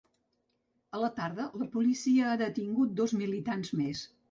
A la tarda, la policia ha detingut dos militants més.